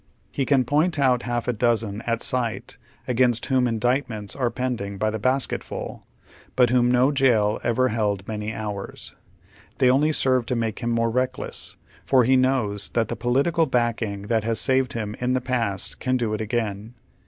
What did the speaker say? lie can point out half a dozen at sight against whom in ■ dicitments are pending by the basketful, but whom no jail ever held many liours. They only serve to make him more reckless, for he knows that the political backing that has saved him in the past can do it again.